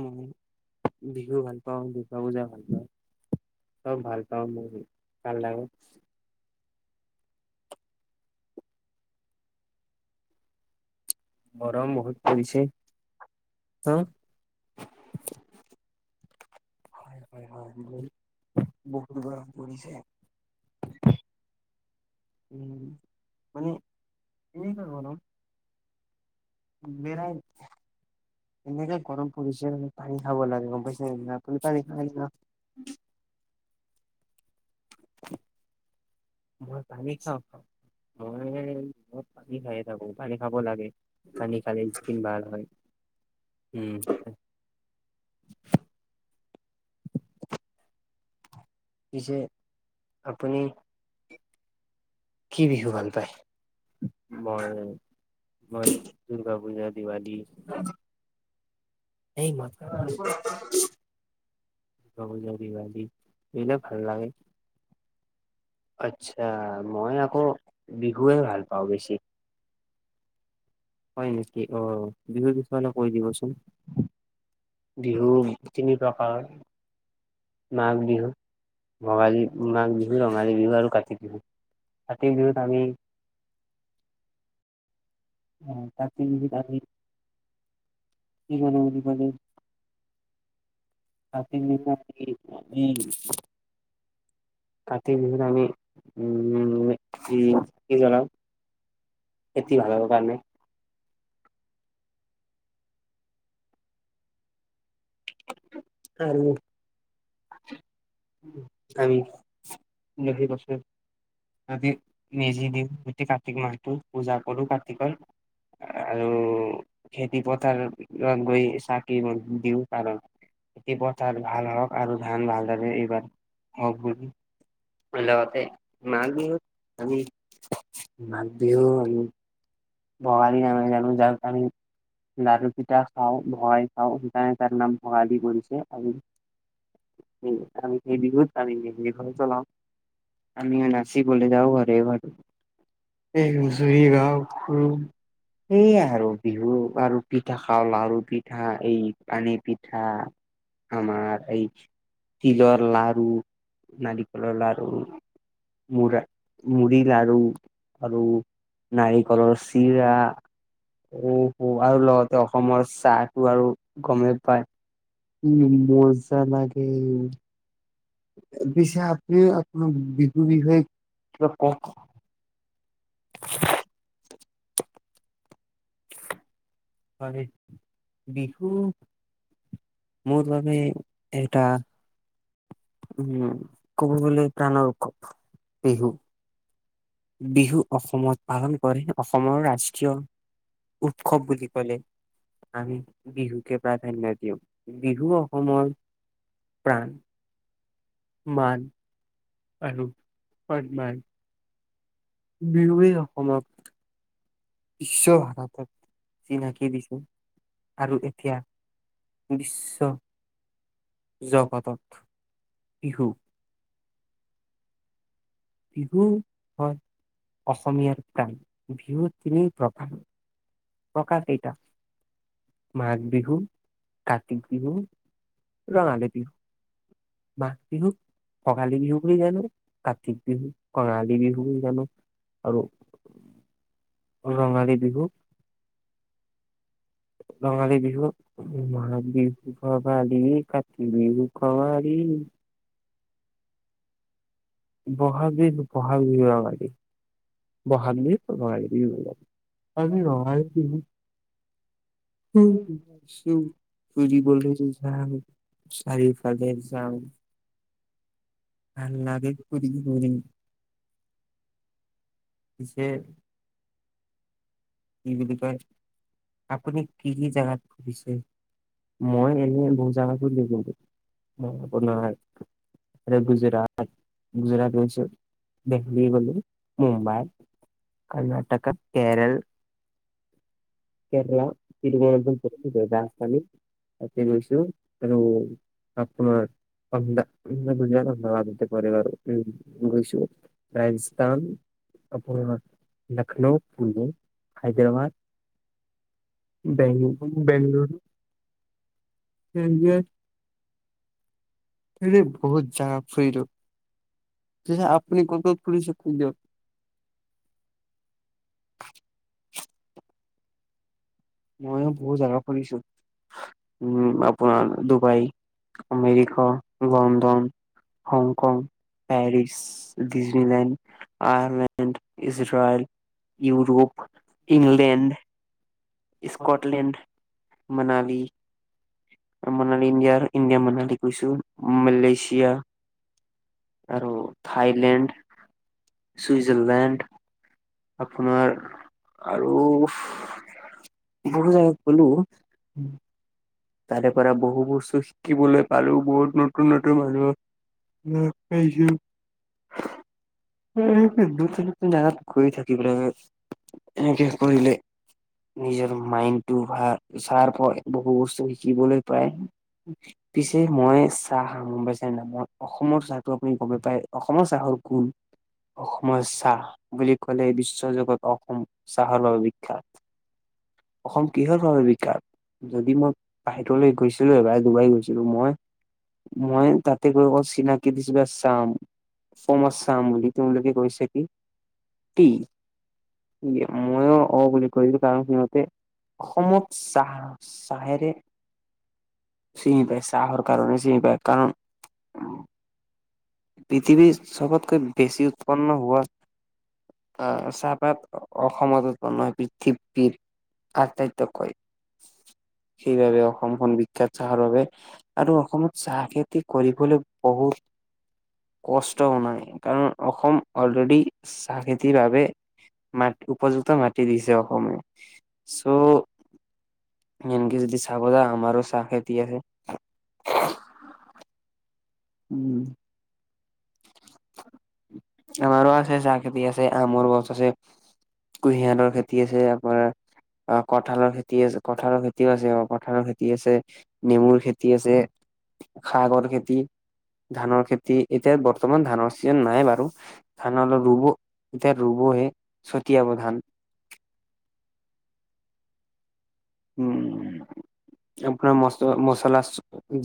উন বিহু ভাল পাওঁ, দুৰ্গা পূজা ভাল পাওঁ, চব ভাল পাওঁ মই। ভাল লাগে। গৰম হয় বহুত পৰিছে, হা, হয়। হয় -হয় বহুত, বহুত গৰম পৰিছে । উম, মানে এনেকুৱা গৰম, বেৰাই, এনেকে গৰম পৰিছে মানে পানী খাব লাগে গম পাইছে নেনাই আপুনি পানী খায় না? মই পানী খাওঁ। মই পানী খাইয়ে থাকো, পানী। খাব লাগে। পানী খালে স্ক্ৰিন ভাল হয়। উম, [unintelligible] পিছে আপুনি? কি বিহু ভাল পায়? মই, মই দুৰ্গা পূজাত, দিৱালী, সেইমতে কাৰো আৰু। হ'ব যদি ভাবী। এনে ভাল লাগে। আচ্ছা মই আকৌ বিহুৱে ভাল পাওঁ বেছি। হ'য় নেকি অ বিহু পিছুৱালে কৈ দিবচোন। প্ৰকাৰ মাঘ বিহু, ভোগালী, মাঘ বিহু, ৰঙালী বিহু আৰু কাতি বিহু । কাতি বিহুত আমি। অ তাত তুমি যদি আহি। কি জনা আজি কালিৰ । কাতি বিহু আহি আছে। ইও কাতি বিহুত আমি উম মে উম চাকি জ্বলাম । এটি ভালৰ কাৰণে। আৰু আমি বহু বছৰ আজি মেজি দিওঁ। গোটেই কাৰ্তিক মাহটো পূজা কৰোঁ। কাৰ্তিকৰ আৰু খেতি পথাৰ গৈ চাকি দিওঁ কাৰণ। খেতি পথাৰ ভাল হওঁক আৰু ধান ভালদৰে এইবাৰ হওঁক বুলি। লগতে মাঘ বিহুত আমি মাঘ বিহু আমি। ভোগালী নামে জানো যাক আমি লাৰু পিঠা খাওঁ ভগাই খাওঁ ।সেইকাৰণে তাৰ নাম ভোগালী কৰিছে ।আমি সেই বিহুত আমি মেজিক ঘৰ জলাও ।আমি নাচিবলৈ যাওঁ ঘৰে ঘৰে এই হুচৰি গাওঁ। উম। সেইয়াই আৰু বিহু আৰু। পিঠা খাওঁ লাৰু পিঠা, এই পানী পিঠা, আমাৰ এই। তিলৰ লাৰু। নাৰিকলৰ লাৰু, মুড়া মুড়ি লাৰু, আৰু নাৰিকল। ঘৰৰ চিৰা ও হু আৰু লগতে অসমৰ চাহটো আৰু গমেই পায়। উম মজা লাগে। পিছে আপুনি আপোনাৰ বিহু বিষয়। কিবা ক'ক আকৌ। হয়। বিহু মোৰ বাবে এটা। উম। ক'ব গ'লে প্ৰাণৰ উৎসৱ বিহু। বিহু অসমত। পালন কৰে অসমৰ ৰাষ্ট্ৰীয় উৎসৱ বুলি ক'লে আমি বিহুকে প্ৰাধান্য দিওঁ বিহু অসমৰ। প্ৰাণ। মান। আৰু। সন্মান। বিহুৱে অসমক। বিশ্ব ভাৰতত চিনাকি দিছো আৰু এতিয়া বিশ্বৰ। জগতত। বিহু। বিহু হয় অসমীয়াৰ প্ৰাণ। বিহু তিনি প্ৰকাৰ। প্ৰকাৰ কেইটা। মাঘ বিহু, কতি বিহু। ৰঙালী বিহু। মাঘ বিহুত। কঙালী বিহু বুলি জানো কাতিক। বিহু কঙালী বিহু বুলি জানো আৰু ৰঙালী বিহু। ৰঙালী বিহু মাঘ বিহু ভোগালী, কাতি বিহু কঙালি। ব'হাগ বিহুত। ব'হাগ বিহু ৰঙালী বিহু। ব'হাগ বিহু ৰঙালী। হেৰি বিলাক। আমি ৰঙালী বিহুত। সৌ সিবাট চো তুজিবলে যে যাঙ। চাৰিওফালে যায়, নাচিম ঘূৰি ঘূৰি। যে। কি বুলি কয়। আপুনি কি কি জেগাত ঘুৰিছে মই এনে বোজা বলে, জোগা মই ওপৰত নাই। গুজৰাত। গুজৰাট গৈছোঁ দেল্লী গলোঁ, গলো মুম্বাই, কৰ্ণাটক। কেৰেল। কেৰলা তিৰুৱনপুৰ ৰাজস্থানী কছো ত আপোন অধন্ধ গুজৰাাত অমবাদতে কৰোৰ গৈছো ৰাজজস্থান। আপোৰ লক্ষ্নৌ পূৰ্বী। হাইদৰাবাদ। বেং বেংলৰু। হকিয়ে। স বহুত যাম। ফ্ৰীটো। আপনি ক'ত খুলিছে খ। [inaudible] মইয়ো বহুত জাগাত শুনিছো। উম আপোনাৰ Dubai, America. London. Hong Kong, Paris, Disneyland, Ireland, Israel, Europe, England. Scotland. Manali. Manali ইণ্ডিয়াৰ ইণ্ডিয়া মনালী কৈছো মালয়েছিয়া আৰু থাইলেণ্ড, চুইজাৰলেণ্ড, আপোনাৰ আৰু বহুত জোগাত গলো, তাৰে পৰা বহু বস্তু শিকিবলৈ পালো বহুত নতুন নতুন মানুহ লগ পাইছো নতুন নতুন জাগাত গৈ থাকিবলৈ এনেকে কৰিলে নিজৰ মাইণ্ডটো ভ চাফ হয় বহু বস্তু, শিকিবলৈ পায় পিছে মই চাহ গমাইছ ন মই অসমৰ চাহটো আপুনি গম পাই অসমৰ চাহৰ গোন অসমৰ চাহ বুলি কলে বিশ্ব যুগত অসম চাহৰ বাবে বিখ্যাত অসম কিহৰ বাবে বিখ্যাত যদি মই, বাহিৰলৈ গৈছিলো এবাৰ ডুবাই গৈছিলো মই মই তাতে গৈ আকৌ চিনাকি দিছো চাম কমত চাম বুলি তেওঁলোকে কৈছে কি কি মইও অ বুলি কৈছিলো কাৰণ সিহঁতে। অসমত চাহ, চাহেৰে। চিনি পায় চাহৰ কাৰণে চিনি পায় কাৰণ, পৃথিৱীৰ চবতকৈ বেছি উৎপন্ন হোৱা আহ চাহপাত অসমত উৎপন্ন হয় পৃথিৱীৰ আটাইতকৈ সেইবাবে অসমখন বিখ্যাত চাহৰ বাবে আৰু অসমত চাহ খেতি কৰিবলৈ বহুত। কষ্টও নাই কাৰণ অসম অলৰেডি চাহ খেতিৰ বাবে মাট উপযুক্ত মাটি দিছে অসমে চ' এনেকে যদি। চাব যা অমাৰো চাহ খেতি আছে। উম। আমাৰো আছে চাহ খেতি আছে আমৰ গছ আছে কুঁহিয়াৰৰ খেতি আছে তাৰপৰা আহ কঠালৰ খেতি আছে কঠালৰ খেতিও আছে অ কঠালৰ খেতি আছে নেমুৰ খেতি আছে শাগৰ খেতি ধানৰ খেতি। এতিয়া বৰ্তমান ধানৰ ছিজন নাই বাৰু ধান অলপ ৰুব এতিয়া ৰুবহে ছটিয়াব ধান। উম আপোনাৰ মচ মচলা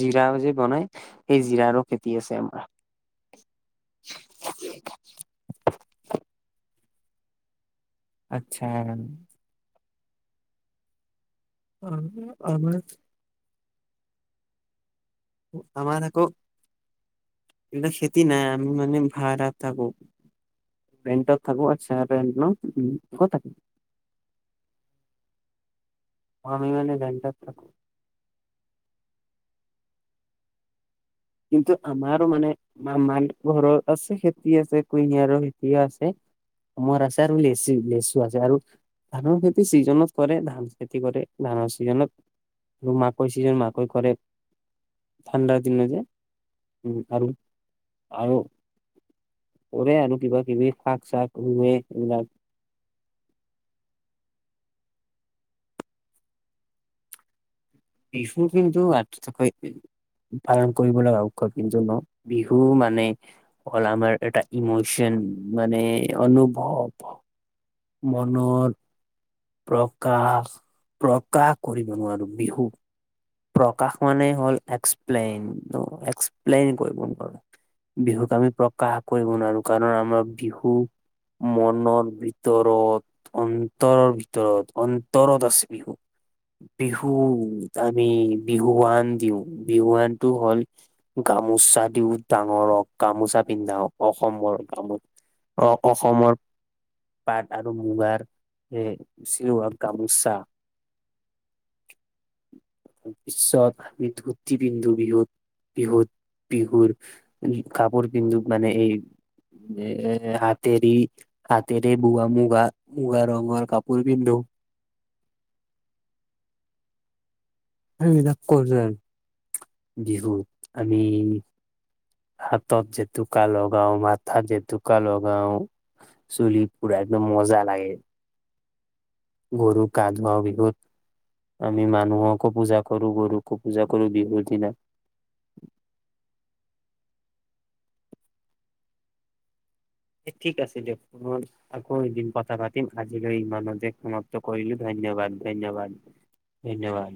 জিৰা যে বনাই সেই জিৰাৰো খেতি আছে আমাৰ। আচ্ছা। অ আমাৰ। আমাৰ আকৌ। এইিলাক খেতি নাই আমি মানে ভাড়াত। থাকো ৰেণ্টট থাকো আৰু চ পে ন উ থাক আমি মানে ৰৰেণ্টত থাকো। কিন্তু আমাৰো মানে মাৰ ঘৰৰত আছে খেতি আছে কুহিয়াইৰ খেতি আছে আমৰ আছে আৰু লেচু লেচু আছে আৰু ধানৰ খেতি চিজনত কৰে ধান খেতি কৰে ধানৰ চিজনত আৰু মাকৈ চিজন মাকৈ কৰে ঠাণ্ডাৰ দিনত যে, উম, ।আৰু আৰু কৰে আৰু কিবা কিবি শাক চাক ৰুৱে সেইবিলাক। বিহু কিন্তু আটতকৈ পালন কৰিবলৈ অঁ কিন্তু ন বিহু মানে হল আমাৰ এটা ইমচন মানে অনুভৱ। মনত। প্ৰকাশ প্ৰকাশ কৰিব নোৱাৰোঁ বিহু। প্ৰকাশ মানে হ'ল এক্সপ্লেইন এক্সপ্লেইন কৰিব নোৱাৰো বিহুক আমি প্ৰকাশ কৰিব নোৱাৰো কাৰণ আমাৰ বিহু মনৰ ভিতৰত অন্তৰৰ ভিতৰত অন্তৰত আছে বিহু বিহু, আমি বিহুৱান দিও বিহুৱানতটো হ'ল গামোচা দিও ডাঙৰক গামোচা পিন্ধাওক অসমৰ গামোচা। অঁ অসমৰ। পাট আৰু মুগাৰ চিলোৱা গামোচা। তাৰ পিছত আমি ধুতি পিন্ধো বিহুত বিহুত বিহুৰ কাপোৰ পিন্ধো মানে এই এ হাতেৰি। হাতেৰে বুৱা মুগা। মুগা ৰঙৰ কাপোৰ পিন্ধো। বিলাক কৰো আৰু বিহুত, আমি হাতত জেতুকা লগাওঁ মাথাত জেতুকা লগাও, চুলি পুৰা একদম মজা লাগে। গৰুক গা ধুৱা বিহুত আমি মানুহকো পূজা কৰো, গৰুকো পূজা কৰো বিহুৰ দিনা। ঠিক আছে দিয়ক, আকৌ এইদিন কথা পাতি। আজিলৈ ই মানতে সমাপ্ত কৰিলো ধন্যবাদ ধন্যবাদ ধন্যবাদ।